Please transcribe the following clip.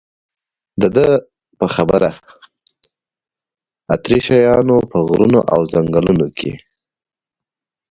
د ده په خبره اتریشیانو په غرونو او ځنګلونو کې.